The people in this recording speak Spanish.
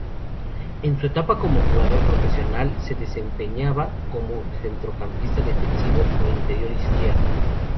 En su etapa como jugador profesional se desempeñaba como centrocampista defensivo o interior izquierdo.